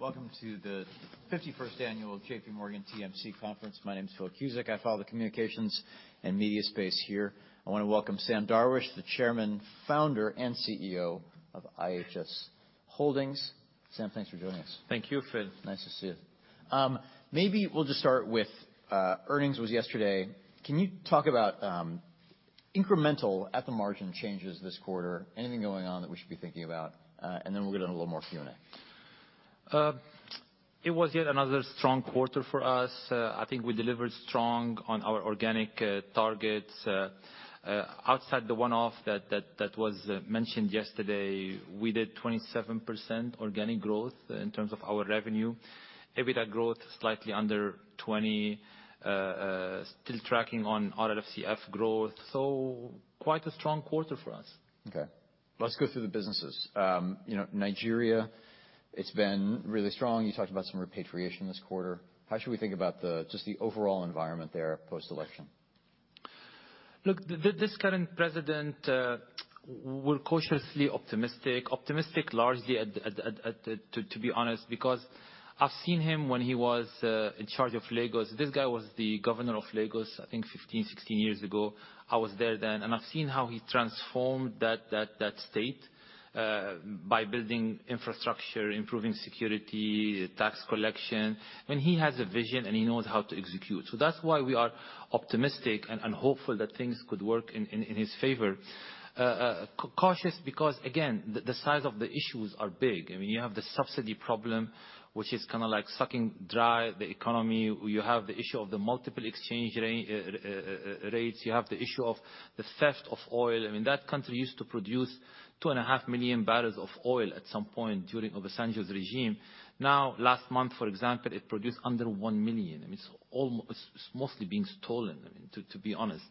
Welcome to the 51st annual JPMorgan TMT Conference. My name is Phil Cusick. I wanna welcome Sam Darwish, the chairman, founder, and CEO of IHS Holdings. Sam, thanks for joining us. Thank you, Phil. Nice to see you. Maybe we'll just start with earnings was yesterday. Can you talk about incremental at-the-margin changes this quarter? Anything going on that we should be thinking about? Then we'll get into a little more Q&A. It was yet another strong quarter for us. I think we delivered strong on our organic targets. Outside the one-off that was mentioned yesterday, we did 27% organic growth in terms of our revenue. EBITDA growth, slightly under 20%. Still tracking on RLFCF growth, quite a strong quarter for us. Okay. Let's go through the businesses. You know, Nigeria, it's been really strong. You talked about some repatriation this quarter. How should we think about the, just the overall environment there post-election? Look, this current president, we're cautiously optimistic. Optimistic largely To be honest, because I've seen him when he was in charge of Lagos. This guy was the governor of Lagos, I think 15, 16 years ago. I was there then, I've seen how he transformed that state by building infrastructure, improving security, tax collection, and he has a vision, and he knows how to execute. That's why we are optimistic and hopeful that things could work in his favor. Cautious because again, the size of the issues are big. I mean, you have the subsidy problem, which is kinda like sucking dry the economy. You have the issue of the multiple exchange rates. You have the issue of the theft of oil. I mean, that country used to produce 2.5 million barrels of oil at some point during Obasanjo's regime. Now, last month, for example, it produced under 1 million. I mean, it's mostly being stolen, to be honest.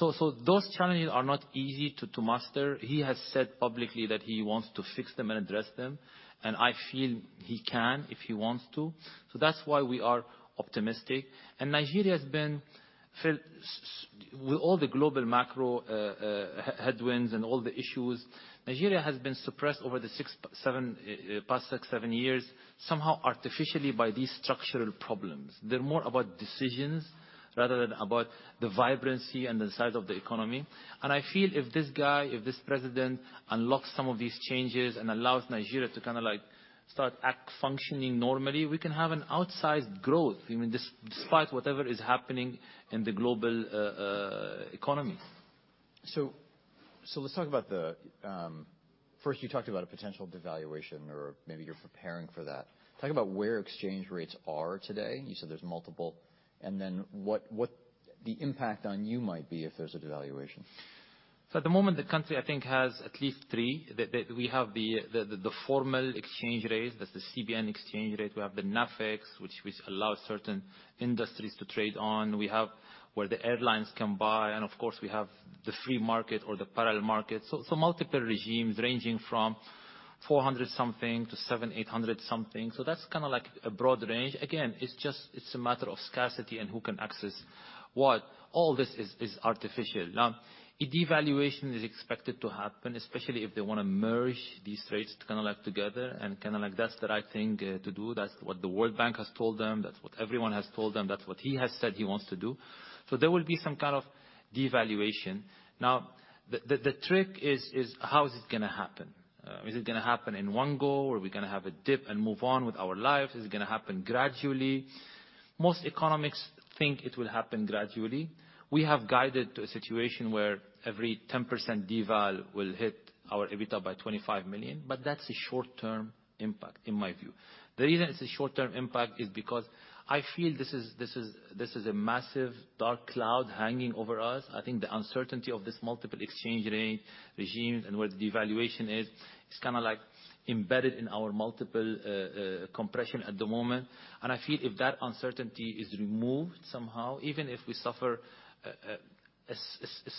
Those challenges are not easy to master. He has said publicly that he wants to fix them and address them. I feel he can, if he wants to. That's why we are optimistic. Nigeria has been, Phil, with all the global macro headwinds and all the issues, Nigeria has been suppressed over the 6, 7 past 6, 7 years, somehow artificially by these structural problems. They're more about decisions rather than about the vibrancy and the size of the economy. I feel if this guy, if this president unlocks some of these changes and allows Nigeria to kinda like start functioning normally, we can have an outsized growth, I mean, despite whatever is happening in the global economy. First, you talked about a potential devaluation or maybe you're preparing for that. Talk about where exchange rates are today, you said there's multiple, and then what the impact on you might be if there's a devaluation. At the moment, the country, I think, has at least three. We have the formal exchange rate. That's the CBN exchange rate. We have the NAFEX, which allows certain industries to trade on. We have where the airlines can buy, and of course, we have the free market or the parallel market. Multiple regimes ranging from 400 something to 700, 800 something. That's kinda like a broad range. Again, it's just, it's a matter of scarcity and who can access what. All this is artificial. A devaluation is expected to happen, especially if they wanna merge these rates kinda like together and kinda like that's the right thing to do. That's what the World Bank has told them. That's what everyone has told them. That's what he has said he wants to do. There will be some kind of devaluation. The trick is, how is this gonna happen? Is it gonna happen in one go, or are we gonna have a dip and move on with our lives? Is it gonna happen gradually? Most economists think it will happen gradually. We have guided to a situation where every 10% deval will hit our EBITDA by $25 million, that's a short-term impact, in my view. The reason it's a short-term impact is because I feel this is a massive dark cloud hanging over us. I think the uncertainty of this multiple exchange rate regimes and where the devaluation is kinda like embedded in our multiple compression at the moment. I feel if that uncertainty is removed somehow, even if we suffer a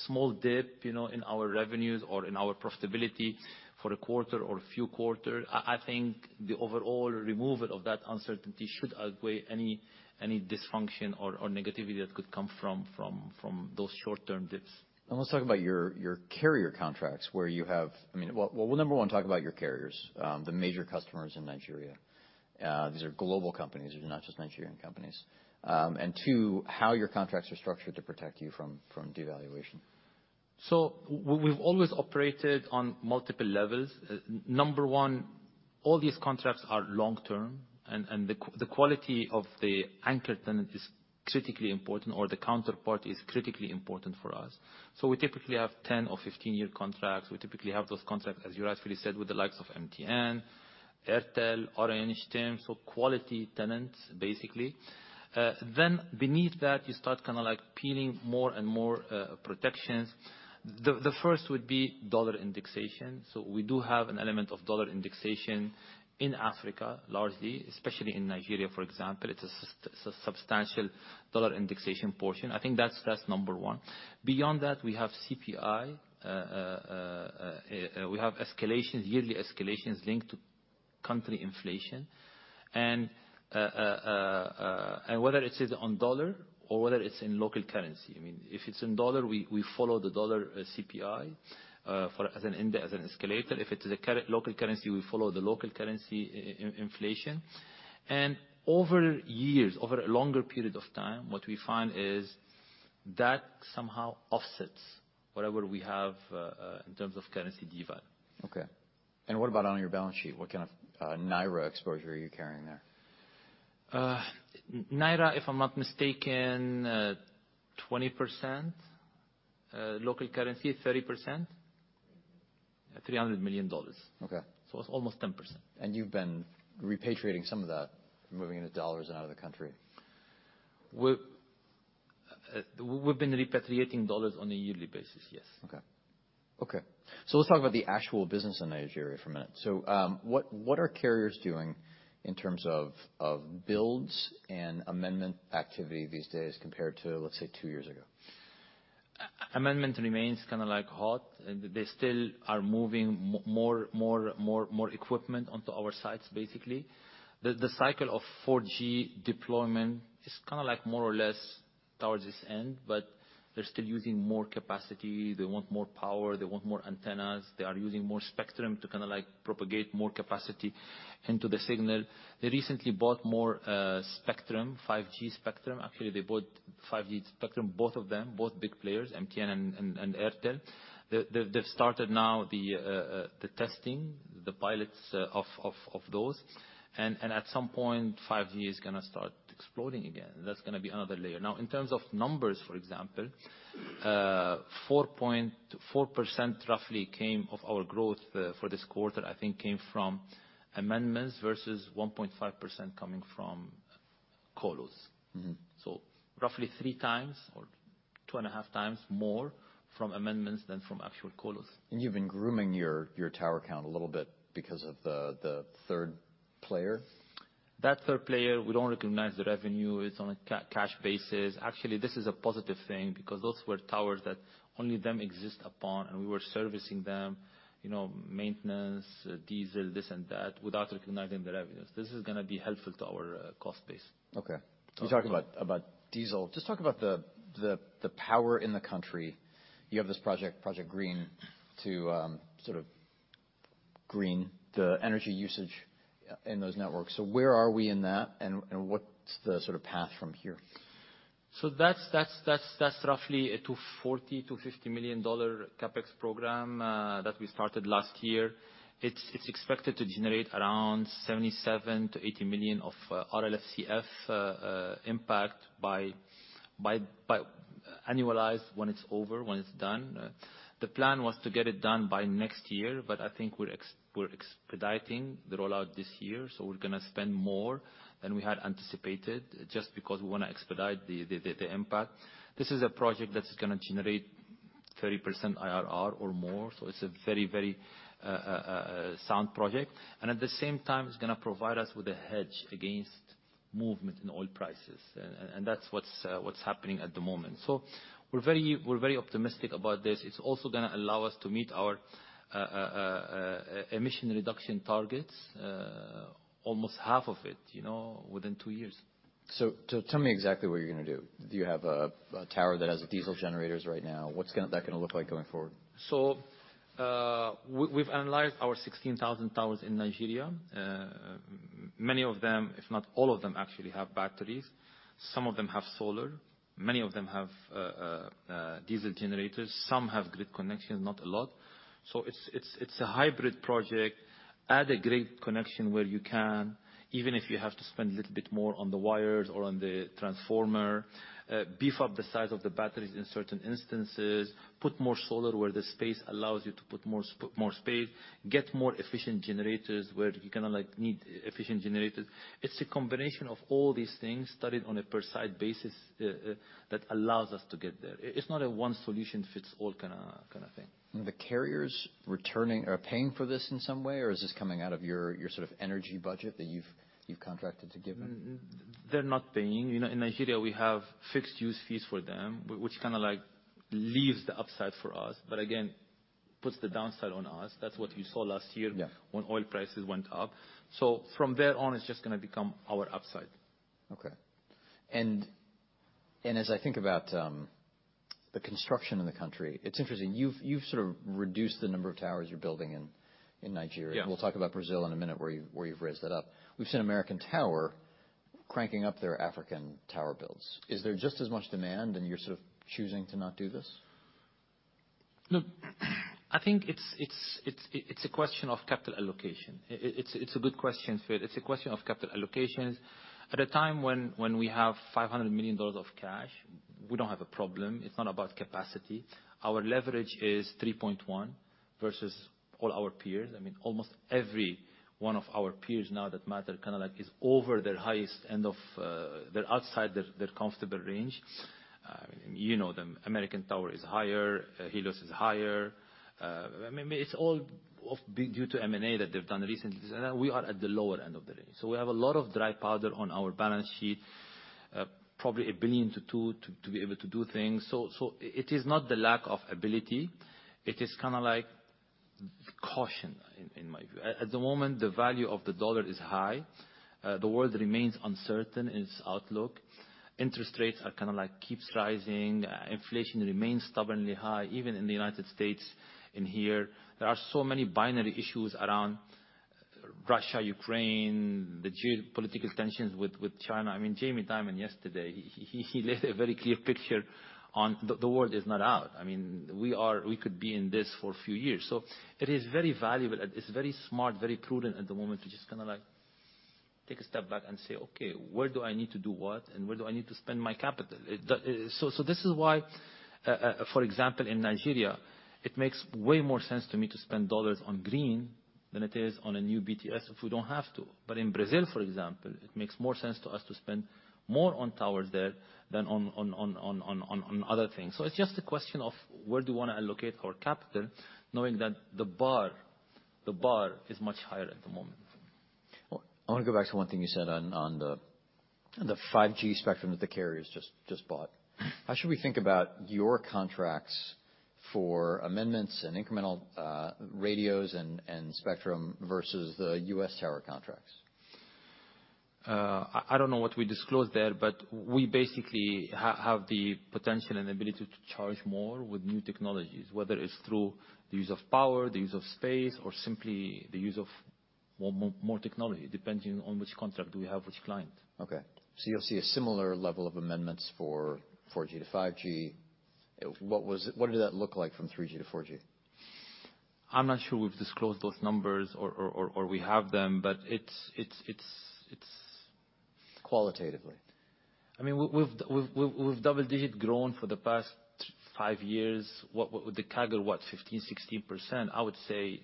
small dip, you know, in our revenues or in our profitability for a quarter or a few quarter, I think the overall removal of that uncertainty should outweigh any dysfunction or negativity that could come from those short-term dips. Let's talk about your carrier contracts, where you have... I mean, well, number one, talk about your carriers, the major customers in Nigeria. These are global companies. These are not just Nigerian companies. Two, how your contracts are structured to protect you from devaluation. We've always operated on multiple levels. Number one, all these contracts are long term, and the quality of the anchor tenant is critically important, or the counterparty is critically important for us. We typically have 10 or 15-year contracts. We typically have those contracts, as you rightfully said, with the likes of MTN, Airtel, Orange, TIM, so quality tenants, basically. Then beneath that, you start kinda like peeling more and more protections. The first would be dollar indexation. We do have an element of dollar indexation in Africa, largely, especially in Nigeria, for example. It's a substantial dollar indexation portion. I think that's number one. Beyond that, we have CPI. We have escalations, yearly escalations linked to country inflation. Whether it is on dollar or whether it's in local currency. I mean, if it's in US dollar, we follow the US dollar CPI for as an escalator. If it is local currency, we follow the local currency inflation. Over years, over a longer period of time, what we find is that somehow offsets whatever we have in terms of currency divide. Okay. What about on your balance sheet? What kind of, Naira exposure are you carrying there? Naira, if I'm not mistaken, 20%. Local currency is 30%. $300 million. Okay. it's almost 10%. You've been repatriating some of that, moving into dollars and out of the country. We've been repatriating dollars on a yearly basis, yes. Okay. Okay, let's talk about the actual business in Nigeria for a minute. What are carriers doing in terms of builds and amendment activity these days compared to, let's say, two years ago? Amendment remains kinda like hot. They still are moving more equipment onto our sites, basically. The cycle of 4G deployment is kinda like more or less towards its end, but they're still using more capacity. They want more power. They want more antennas. They are using more spectrum to kinda like propagate more capacity into the signal. They recently bought more spectrum, 5G spectrum. Actually, they bought 5G spectrum, both of them, both big players, MTN and Airtel. They've started now the testing, the pilots, of those. At some point, 5G is gonna start exploding again. That's gonna be another layer. Now, in terms of numbers, for example, four point... 4% roughly came of our growth for this quarter, I think came from amendments versus 1.5% coming from colos. Mm-hmm. Roughly three times or two and a half times more from amendments than from actual colos. You've been grooming your tower count a little bit because of the third player? Third player, we don't recognize the revenue. It's on a cash basis. Actually, this is a positive thing because those were towers that only them exist upon, and we were servicing them, you know, maintenance, diesel, this and that, without recognizing the revenues. This is gonna be helpful to our cost base. You talked about diesel. Just talk about the power in the country. You have this project, Project Green, to sort of green the energy usage in those networks. Where are we in that and what's the sort of path from here? That's roughly a $240 million-$250 million CapEx program that we started last year. It's expected to generate around $77 million-$80 million of RLFCF impact by annualize when it's over, when it's done. The plan was to get it done by next year, I think we're expediting the rollout this year, we're gonna spend more than we had anticipated just because we wanna expedite the impact. This is a project that is gonna generate 30% IRR or more, it's a very, very sound project. At the same time, it's gonna provide us with a hedge against movement in oil prices. And that's what's happening at the moment. We're very optimistic about this. It's also gonna allow us to meet our emission reduction targets, almost half of it, you know, within 2 years. tell me exactly what you're gonna do. Do you have a tower that has diesel generators right now? What's that gonna look like going forward? We've analyzed our 16,000 towers in Nigeria. Many of them, if not all of them, actually have batteries. Some of them have solar. Many of them have diesel generators. Some have grid connection, not a lot. It's a hybrid project. Add a grid connection where you can, even if you have to spend a little bit more on the wires or on the transformer. Beef up the size of the batteries in certain instances. Put more solar where the space allows you to put more space. Get more efficient generators where you kinda like need efficient generators. It's a combination of all these things studied on a per site basis that allows us to get there. It's not a one solution fits all kinda thing. The carriers returning are paying for this in some way, or is this coming out of your sort of energy budget that you've contracted to give them? They're not paying. You know, in Nigeria, we have fixed use fees for them, which kinda like leaves the upside for us, but again, puts the downside on us. That's what you saw last year. Yeah ...when oil prices went up. From there on, it's just gonna become our upside. Okay. As I think about the construction in the country, it's interesting, you've sort of reduced the number of towers you're building in Nigeria. Yes. We'll talk about Brazil in a minute, where you, where you've raised that up. We've seen American Tower cranking up their African tower builds. Is there just as much demand and you're sort of choosing to not do this? Look, I think it's a question of capital allocation. It's a good question, Phil. It's a question of capital allocations. At a time when we have $500 million of cash, we don't have a problem. It's not about capacity. Our leverage is 3.1 versus all our peers. I mean, almost every one of our peers now that matter kinda like is over their highest end of, they're outside their comfortable range. You know them. American Tower is higher. Helios is higher. I mean, it's due to M&A that they've done recently. We are at the lower end of the range. We have a lot of dry powder on our balance sheet, probably $1 billion-$2 billion to be able to do things. It is not the lack of ability. It is kinda like caution in my view. At the moment, the value of the US dollar is high. The world remains uncertain in its outlook. Interest rates are kinda like keeps rising. Inflation remains stubbornly high, even in the United States in here. There are so many binary issues around Russia, Ukraine, the geopolitical tensions with China. I mean, Jamie Dimon yesterday, he left a very clear picture on the world is not out. I mean, we could be in this for a few years. It is very valuable. It's very smart, very prudent at the moment to just kinda like take a step back and say, "Okay, where do I need to do what, and where do I need to spend my capital?" The... This is why, for example, in Nigeria, it makes way more sense to me to spend $ on Green than it is on a new BTS if we don't have to. In Brazil, for example, it makes more sense to us to spend more on towers there than on other things. It's just a question of where do we wanna allocate our capital, knowing that the bar is much higher at the moment. I wanna go back to one thing you said on the 5G spectrum that the carriers just bought. How should we think about your contracts for amendments and incremental radios and spectrum versus the U.S. tower contracts? I don't know what we disclosed there, but we basically have the potential and ability to charge more with new technologies, whether it's through the use of power, the use of space, or simply the use of more technology, depending on which contract do we have with which client. You'll see a similar level of amendments for 4G to 5G. What did that look like from 3G to 4G? I'm not sure we've disclosed those numbers or we have them, but it's. Qualitatively. I mean, we've double-digit grown for the past five years. The CAGR what? 15%, 16%. I would say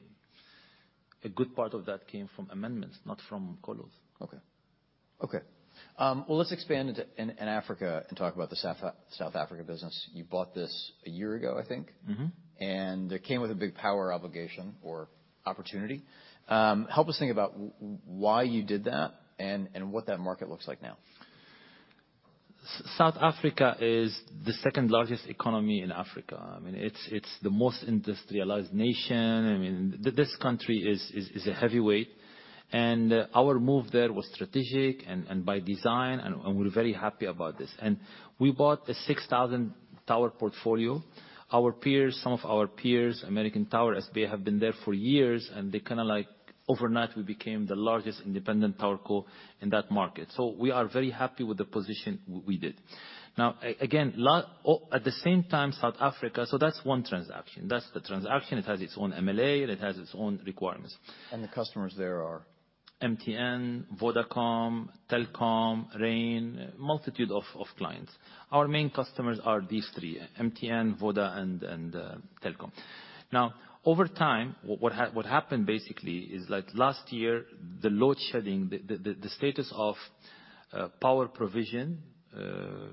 a good part of that came from amendments, not from colos. Okay. Okay. Well, let's expand in Africa and talk about the South Africa business. You bought this a year ago, I think. Mm-hmm. it came with a big power obligation or opportunity. Help us think about why you did that and what that market looks like now? South Africa is the second largest economy in Africa. I mean, it's the most industrialized nation. I mean, this country is a heavyweight. Our move there was strategic and by design, and we're very happy about this. We bought a 6,000 tower portfolio. Our peers, some of our peers, American Tower, SBA, have been there for years, and they kinda like overnight we became the largest independent tower co in that market. We are very happy with the position we did. Now, again. Oh, at the same time, South Africa. That's one transaction. That's the transaction. It has its own MLA, and it has its own requirements. The customers there are? MTN, Vodacom, Telkom, Rain, a multitude of clients. Our main customers are these three: MTN, Voda, and Telkom. Over time, what happened basically is like last year, the load shedding, the status of power provision,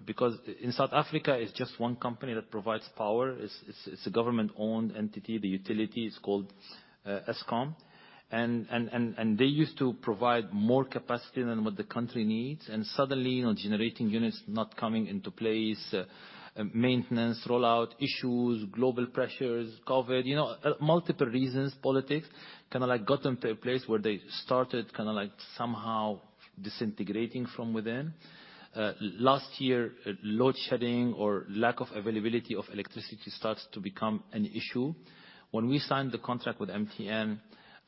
because in South Africa, it's just one company that provides power. It's a government-owned entity. The utility is called Eskom. They used to provide more capacity than what the country needs, and suddenly, you know, generating units not coming into place, maintenance rollout issues, global pressures, COVID, you know, multiple reasons, politics, kinda like got them to a place where they started kinda like somehow disintegrating from within. Last year, load shedding or lack of availability of electricity starts to become an issue. When we signed the contract with MTN,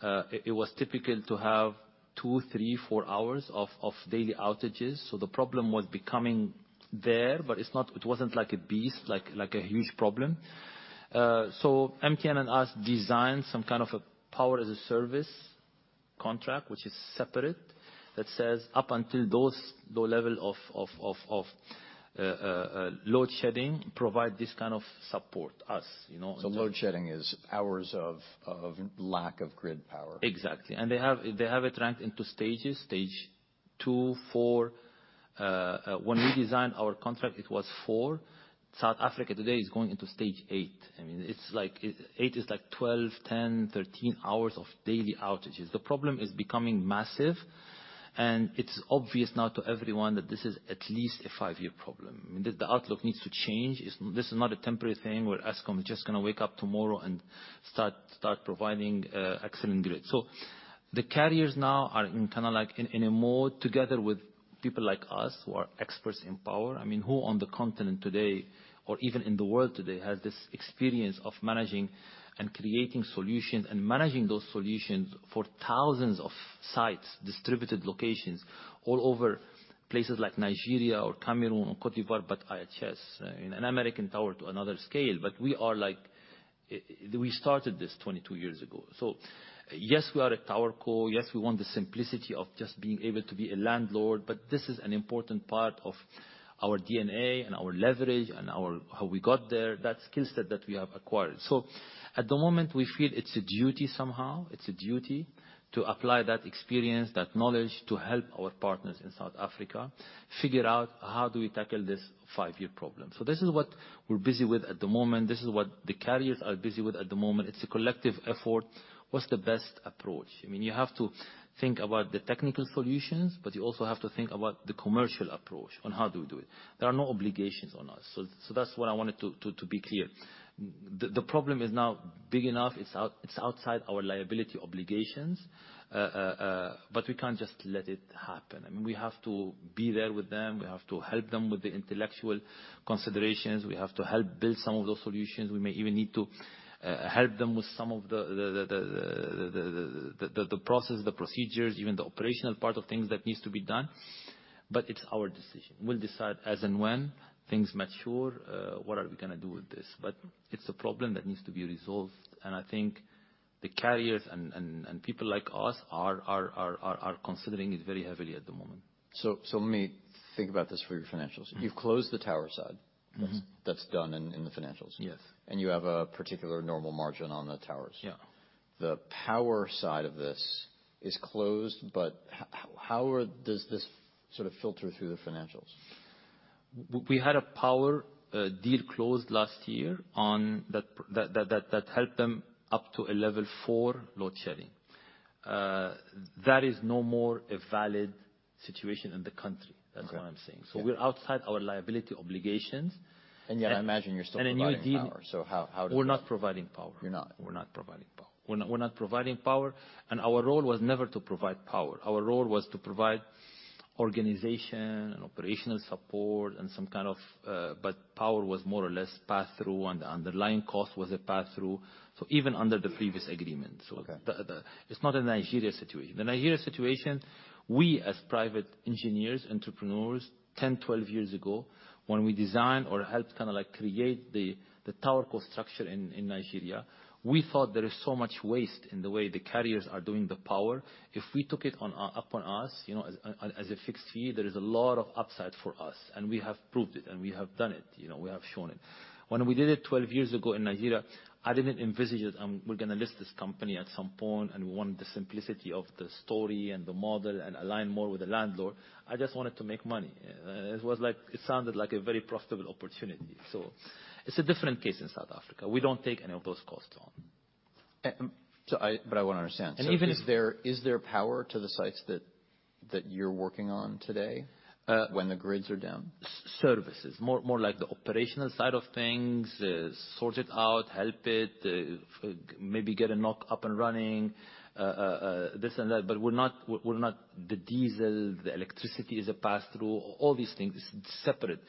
it was typical to have two, three, four hours of daily outages. The problem was becoming there, but it wasn't like a beast, like a huge problem. MTN and us designed some kind of a power-as-a-service contract, which is separate, that says up until those low level of load shedding, provide this kind of support, us, you know? load shedding is hours of lack of grid power. Exactly. They have it ranked into stages. Stage 2, 4. When we designed our contract, it was 4. South Africa today is going into stage 8. I mean, it's like 8 is like 12, 10, 13 hours of daily outages. The problem is becoming massive, and it's obvious now to everyone that this is at least a 5-year problem, and the outlook needs to change. This is not a temporary thing where Eskom is just gonna wake up tomorrow and start providing excellent grid. The carriers now are in kinda like in a mode together with people like us who are experts in power. I mean, who on the continent today or even in the world today has this experience of managing and creating solutions and managing those solutions for thousands of sites, distributed locations all over places like Nigeria or Cameroon or Côte d'Ivoire. IHS and American Tower to another scale. We are like, we started this 22 years ago. Yes, we are a tower co. Yes, we want the simplicity of just being able to be a landlord, but this is an important part of our DNA and our leverage and how we got there, that skill set that we have acquired. At the moment, we feel it's a duty somehow. It's a duty to apply that experience, that knowledge, to help our partners in South Africa figure out how do we tackle this 5-year problem. This is what we're busy with at the moment. This is what the carriers are busy with at the moment. It's a collective effort. What's the best approach? I mean, you have to think about the technical solutions, but you also have to think about the commercial approach on how do we do it. There are no obligations on us. That's what I wanted to be clear. The problem is now big enough, it's outside our liability obligations. We can't just let it happen. I mean, we have to be there with them. We have to help them with the intellectual considerations. We have to help build some of those solutions. We may even need to help them with some of the process, the procedures, even the operational part of things that needs to be done. It's our decision. We'll decide as and when things mature, what are we gonna do with this? It's a problem that needs to be resolved, and I think the carriers and people like us are considering it very heavily at the moment. Let me think about this for your financials. Mm-hmm. You've closed the tower side. Yes. That's done in the financials. Yes. You have a particular normal margin on the towers. Yeah. The power side of this is closed, how does this sort of filter through the financials? We had a power deal closed last year on that that helped them up to a level 4 load shedding. That is no more a valid situation in the country. Okay. That's what I'm saying. Yeah. We're outside our liability obligations. Yet I imagine you're still providing power. A new deal- How does that? We're not providing power. You're not? We're not providing power. We're not providing power, and our role was never to provide power. Our role was to provide organization and operational support and some kind of. Power was more or less pass through, and the underlying cost was a pass through. Even under the previous agreement. Okay. The... It's not a Nigeria situation. The Nigeria situation, we as private engineers, entrepreneurs, 10, 12 years ago, when we designed or helped kinda like create the tower core structure in Nigeria, we thought there is so much waste in the way the carriers are doing the power. If we took it on, upon us, you know, as a fixed fee, there is a lot of upside for us. We have proved it and we have done it, you know. We have shown it. When we did it 12 years ago in Nigeria, I didn't envisage that We're gonna list this company at some point, and we want the simplicity of the story and the model and align more with the landlord. I just wanted to make money. It was like, it sounded like a very profitable opportunity. It's a different case in South Africa. We don't take any of those costs on. I want to understand. even- Is there power to the sites that you're working on today? Uh- when the grids are down? Services. More like the operational side of things. Sort it out, help it, maybe get a NOC and running, this and that. We're not the diesel, the electricity is a pass-through, all these things separate.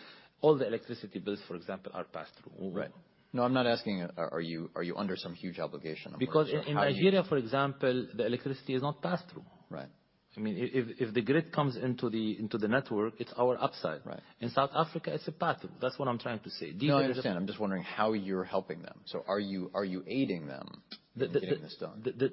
All the electricity bills, for example, are pass-through. All of them. Right. No, I'm not asking are you under some huge obligation of course. In Nigeria, for example, the electricity is not pass-through. Right. I mean, if the grid comes into the network, it's our upside. Right. In South Africa, it's a pass-through. That's what I'm trying to say. No, I understand. I'm just wondering how you're helping them. Are you aiding them in getting this done? The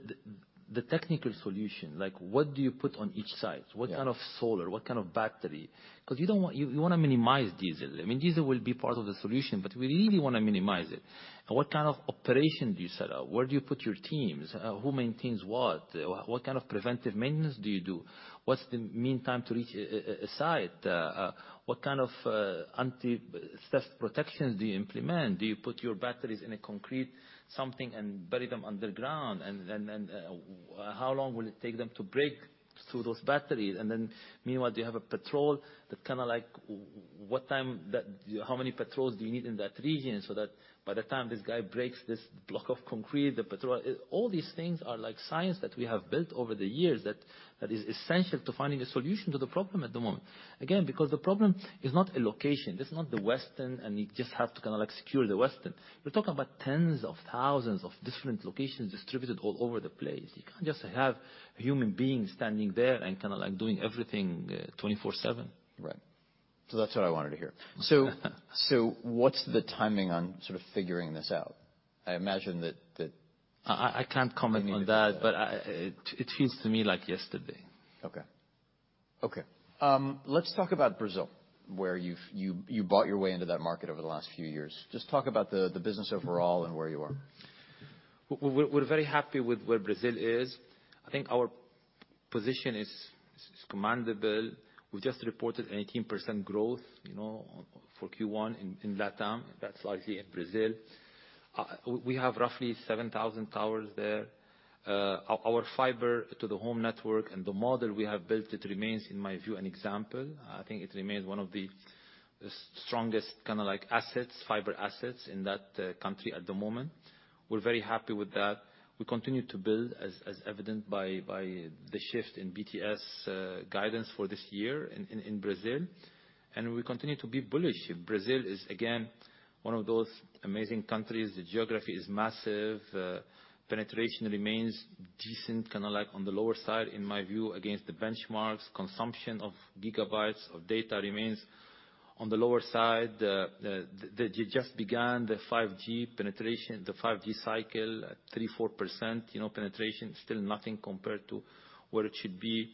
technical solution, like what do you put on each site? Yeah. What kind of solar? What kind of battery? 'Cause you don't want... You, you wanna minimize diesel. I mean, diesel will be part of the solution, but we really wanna minimize it. What kind of operation do you set up? Where do you put your teams? Who maintains what? What kind of preventive maintenance do you do? What's the mean time to reach a site? What kind of anti-theft protections do you implement? Do you put your batteries in a concrete something and bury them underground? How long will it take them to break through those batteries? Then meanwhile, do you have a patrol? How many patrols do you need in that region, so that by the time this guy breaks this block of concrete, the patrol... All these things are like science that we have built over the years that is essential to finding a solution to the problem at the moment. Again, because the problem is not a location. This is not the Western, and you just have to kinda like secure the Western. We're talking about tens of thousands of different locations distributed all over the place. You can't just have human beings standing there and kinda like doing everything 24/7. Right. That's what I wanted to hear. What's the timing on sort of figuring this out? I imagine that. I can't comment on that. Maybe- it feels to me like yesterday. Okay. Okay. Let's talk about Brazil, where you bought your way into that market over the last few years. Just talk about the business overall and where you are. We're very happy with where Brazil is. I think our position is commendable. We just reported 18% growth, you know, for Q1 in LatAm. That's largely in Brazil. We have roughly 7,000 towers there. Our fiber to the home network and the model we have built, it remains, in my view, an example. I think it remains one of the strongest kinda like assets, fiber assets in that country at the moment. We're very happy with that. We continue to build, as evident by the shift in BTS guidance for this year in Brazil, and we continue to be bullish. Brazil is again, one of those amazing countries. The geography is massive. Penetration remains decent, kinda like on the lower side, in my view, against the benchmarks. Consumption of gigabytes, of data remains on the lower side. The they just began the 5G penetration, the 5G cycle at 3%, 4%, you know, penetration. Still nothing compared to where it should be.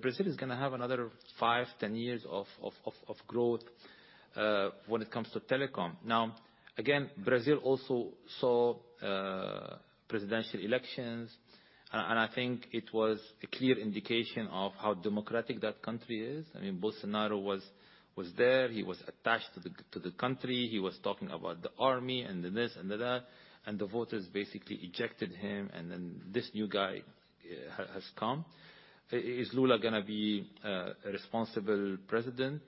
Brazil is gonna have another 5-10 years of growth when it comes to telecom. Again, Brazil also saw presidential elections. I think it was a clear indication of how democratic that country is. I mean, Bolsonaro was there, he was attached to the country. He was talking about the army and then this and the that, and the voters basically ejected him, and then this new guy has come. Is Lula gonna be a responsible president?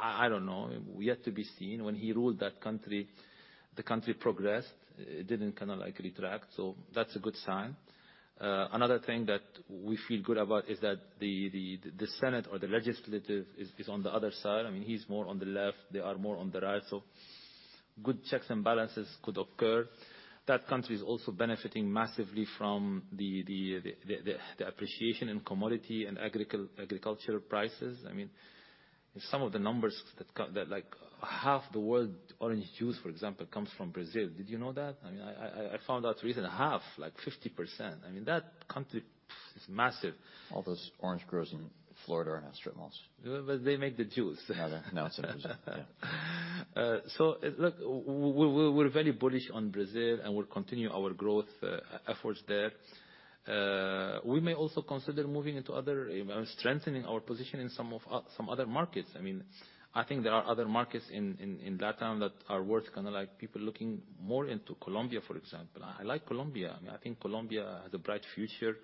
I don't know. We have to be seen. When he ruled that country, the country progressed. It didn't kinda like retract, that's a good sign. Another thing that we feel good about is that the Senate or the legislative is on the other side. I mean, he's more on the left, they are more on the right. Good checks and balances could occur. That country is also benefiting massively from the appreciation in commodity and agricultural prices. I mean, some of the numbers that like half the world orange juice, for example, comes from Brazil. Did you know that? I mean, I found out recent. Half, like 50%. I mean, that country is massive. All those orange growers in Florida are now strip malls. They make the juice. No, it's in Brazil. Yeah. Look, we're very bullish on Brazil, and we'll continue our growth, efforts there. We may also consider moving into other, strengthening our position in some of some other markets. I mean, I think there are other markets in Latin that are worth kinda like people looking more into Colombia, for example. I like Colombia. I mean, I think Colombia has a bright future,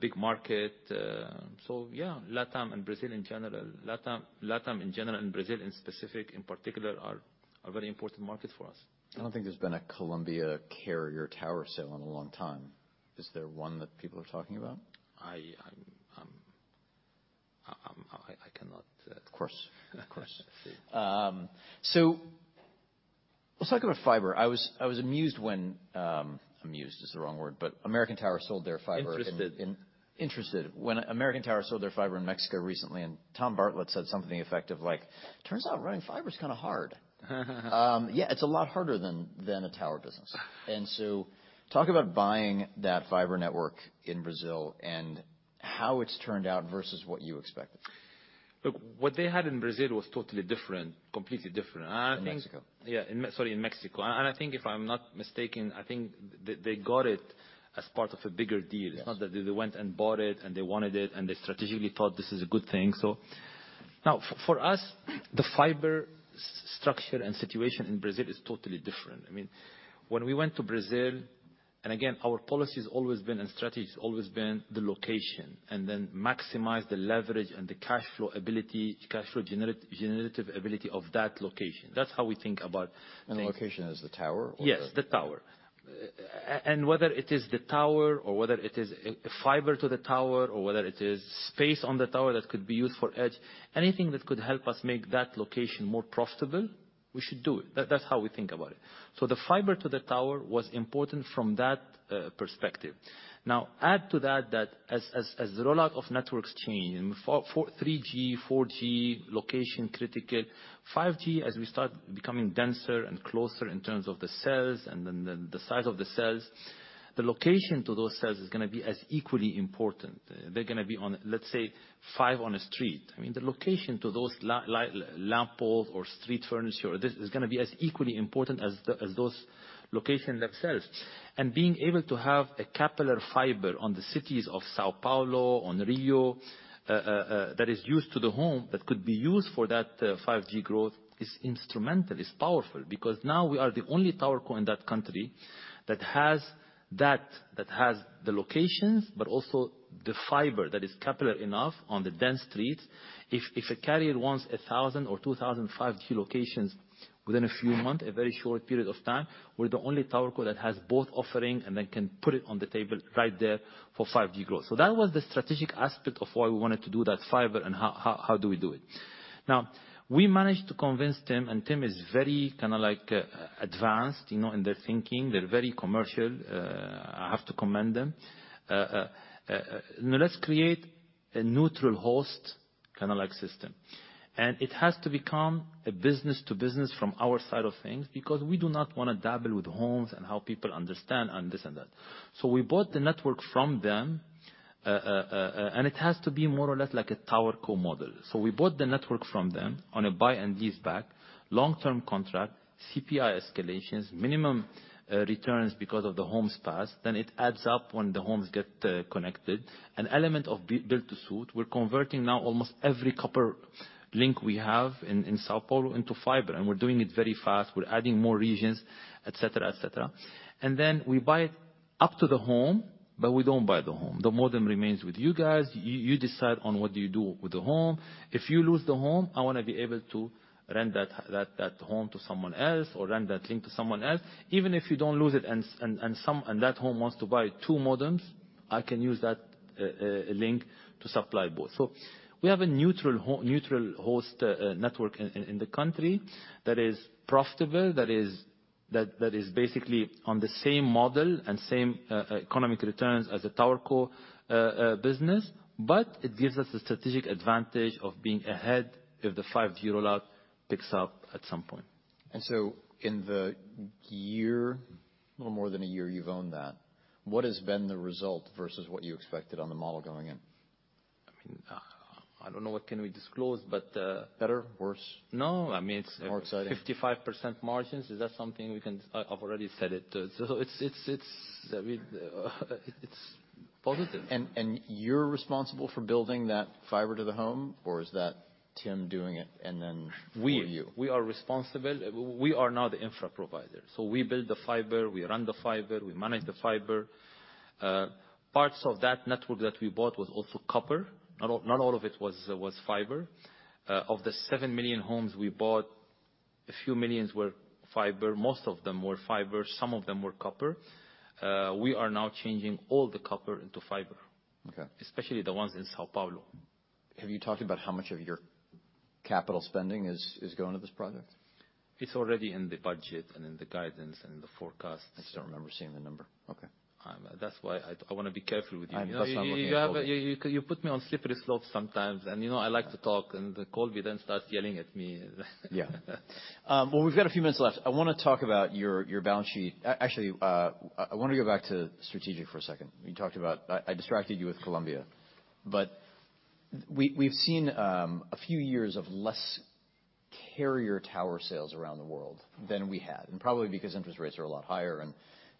big market. Yeah, Latam and Brazil in general. Latam in general and Brazil in specific, in particular, are very important market for us. I don't think there's been a Colombia carrier tower sale in a long time. Is there one that people are talking about? I cannot... Of course. Of course. Let's talk about fiber. I was amused when, amused is the wrong word, American Tower sold their fiber. Interested. Interested. When American Tower sold their fiber in Mexico recently, Tom Bartlett said something effective like, "Turns out running fiber is kinda hard." Yeah, it's a lot harder than a tower business. Talk about buying that fiber network in Brazil and how it's turned out versus what you expected. Look, what they had in Brazil was totally different, completely different. In Mexico. Yeah, sorry, in Mexico. I think if I'm not mistaken, I think they got it as part of a bigger deal. Yes. It's not that they went and bought it, and they wanted it, and they strategically thought this is a good thing. Now for us, the fiber structure and situation in Brazil is totally different. I mean, when we went to Brazil. Again, our policy has always been, and strategy has always been the location, and then maximize the leverage and the cash flow ability, cash flow generative ability of that location. That's how we think about things. The location is the tower or the-. Yes, the tower. Whether it is the tower or whether it is fiber to the tower or whether it is space on the tower that could be used for edge, anything that could help us make that location more profitable, we should do it. That's how we think about it. The fiber to the tower was important from that perspective. Add to that as the rollout of networks change, for 3G, 4G, location critical, 5G, as we start becoming denser and closer in terms of the cells and then the size of the cells, the location to those cells is gonna be as equally important. They're gonna be on, let's say, five on a street. I mean, the location to those lamp poles or street furniture or this is gonna be as equally important as those locations themselves. Being able to have a capillary fiber on the cities of São Paulo, on Rio, that is used to the home that could be used for that 5G growth is instrumental, it's powerful, because now we are the only tower co in that country that has the locations, but also the fiber that is capillary enough on the dense streets. If a carrier wants 1,000 or 2,000 5G locations within a few months, a very short period of time, we're the only tower co that has both offering and then can put it on the table right there for 5G growth. That was the strategic aspect of why we wanted to do that fiber and how do we do it. Now, we managed to convince TIM, and TIM is very like, advanced, you know, in their thinking. They're very commercial. I have to commend them. Let's create a neutral host system. It has to become a business to business from our side of things because we do not wanna dabble with homes and how people understand and this and that. We bought the network from them, and it has to be more or less like a towerco model. We bought the network from them on a sale and leaseback, long-term contract, CPI escalations, minimum returns because of the homes passed. It adds up when the homes get connected. An element of build to suit, we're converting now almost every copper link we have in São Paulo into fiber. We're doing it very fast. We're adding more regions, et cetera, et cetera. Then we buy it up to the home. We don't buy the home. The modem remains with you guys. You, you decide on what do you do with the home. If you lose the home, I wanna be able to rent that home to someone else or rent that link to someone else. Even if you don't lose it and some and that home wants to buy two modems, I can use that link to supply both. We have a neutral host network in the country that is profitable, that is, that is basically on the same model and same economic returns as a tower co business, but it gives us a strategic advantage of being ahead if the 5G rollout picks up at some point. In the year, little more than 1 year you've owned that, what has been the result versus what you expected on the model going in? I don't know what can we disclose, but. Better? Worse? No, I mean. More exciting. 55% margins. Is that something we can... I've already said it. I mean, it's positive. You're responsible for building that fiber to the home, or is that TIM doing it, and then for you? We are responsible. We are now the infra provider. We build the fiber, we run the fiber, we manage the fiber. Parts of that network that we bought was also copper. Not all of it was fiber. Of the 7 million homes we bought, a few millions were fiber. Most of them were fiber, some of them were copper. We are now changing all the copper into fiber. Okay. Especially the ones in São Paulo. Have you talked about how much of your capital spending is going to this project? It's already in the budget and in the guidance and the forecasts. I just don't remember seeing the number. Okay. That's why I wanna be careful with you. That's not what you told me. You put me on slippery slopes sometimes. You know I like to talk, and then Colby then starts yelling at me. Yeah. Well, we've got a few minutes left. I wanna talk about your balance sheet. Actually, I want to go back to strategic for a second. You talked about... I distracted you with Colombia. We've seen a few years of less carrier tower sales around the world than we had, and probably because interest rates are a lot higher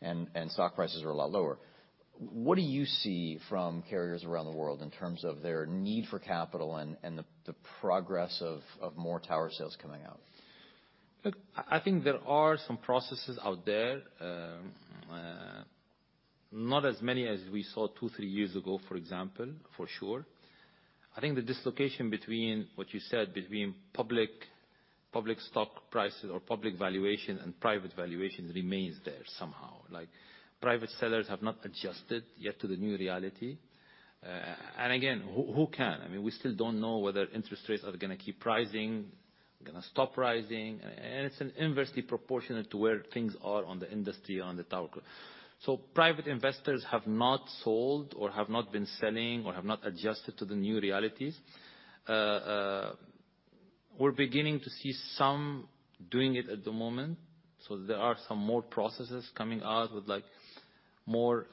and stock prices are a lot lower. What do you see from carriers around the world in terms of their need for capital and the progress of more tower sales coming out? Look, I think there are some processes out there. Not as many as we saw 2, 3 years ago, for example, for sure. I think the dislocation between what you said between public stock prices or public valuation and private valuations remains there somehow. Like, private sellers have not adjusted yet to the new reality. Again, who can? I mean, we still don't know whether interest rates are gonna keep rising, gonna stop rising. It's an inversely proportionate to where things are on the industry, on the tower. Private investors have not sold or have not been selling or have not adjusted to the new realities. We're beginning to see some doing it at the moment, there are some more processes coming out with, like, more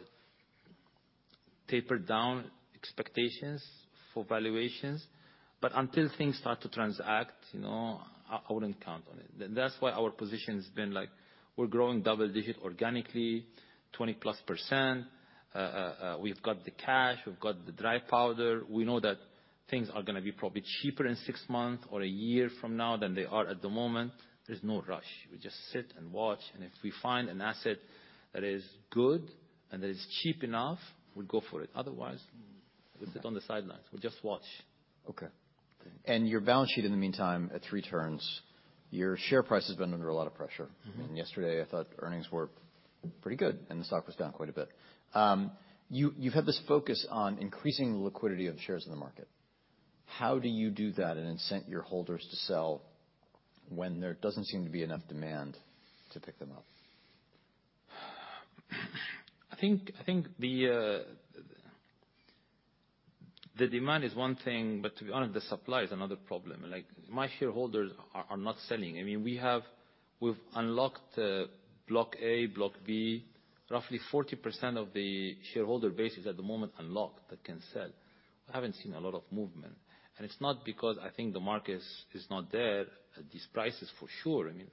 tapered down expectations for valuations. Until things start to transact, you know, I wouldn't count on it. That's why our position's been like we're growing double digit organically, 20%+. We've got the cash, we've got the dry powder. We know that things are gonna be probably cheaper in six months or a year from now than they are at the moment. There's no rush. We just sit and watch, and if we find an asset that is good and that is cheap enough, we go for it. Otherwise, we sit on the sidelines. We just watch. Okay. Your balance sheet in the meantime at 3 turns, your share price has been under a lot of pressure. Mm-hmm. I mean, yesterday I thought earnings were pretty good and the stock was down quite a bit. You've had this focus on increasing the liquidity of shares in the market. How do you do that and incent your holders to sell when there doesn't seem to be enough demand to pick them up? I think the demand is one thing, To be honest, the supply is another problem. Like, my shareholders are not selling. I mean, we've unlocked block A, block B. Roughly 40% of the shareholder base is at the moment unlocked that can sell. I haven't seen a lot of movement. It's not because I think the market is not there at these prices for sure. I mean,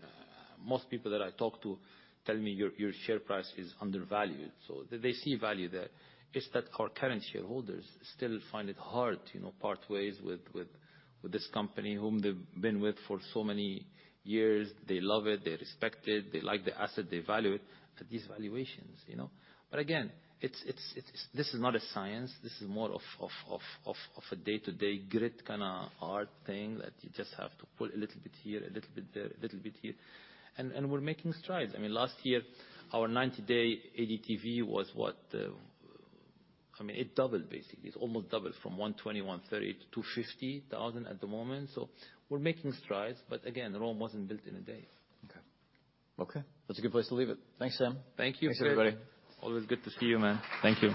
most people that I talk to tell me, "Your share price is undervalued." They see value there. It's that our current shareholders still find it hard, you know, part ways with this company whom they've been with for so many years. They love it, they respect it, they like the asset, they value it at these valuations, you know. Again, it's... This is not a science. This is more of a day-to-day grit kinda art thing that you just have to pull a little bit here, a little bit there, a little bit here. We're making strides. I mean, last year, our 90-day ADTV was what? I mean, it doubled, basically. It almost doubled from 120, 130 to 250,000 at the moment. We're making strides. Again, Rome wasn't built in a day. Okay, that's a good place to leave it. Thanks, Sam. Thank you. Thanks, everybody. Always good to see you, man. Thank you.